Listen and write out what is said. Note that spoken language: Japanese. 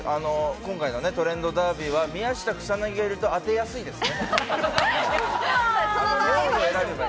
今回のトレンドダービーは宮下草薙がいると当てやすいですね。